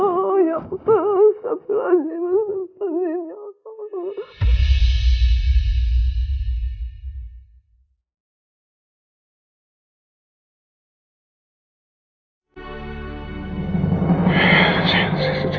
sabarlah jinnah ya allah